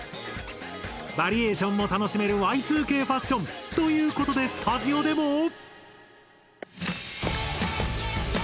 バリエーションも楽しめるＹ２Ｋファッション！ということでスタジオでも。